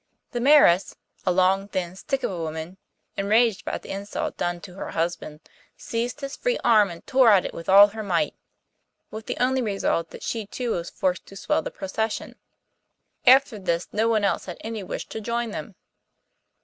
The Mayoress, a long thin stick of a woman, enraged at the insult done to her husband, seized his free arm and tore at it with all her might, with the only result that she too was forced to swell the procession. After this no one else had any wish to join them.